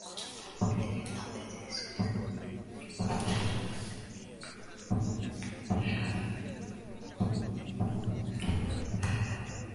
Ba mama bote beko na haki ya ku jenga nabo